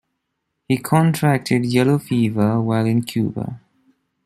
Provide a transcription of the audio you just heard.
He contracted yellow fever while in Cuba.